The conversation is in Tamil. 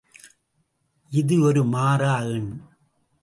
இது ஒரு மாறா எண்.